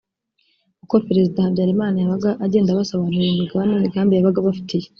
uko Président Habyarimana yabaga agenda abasobanurira imigabo n’imigambi yabaga abafitiye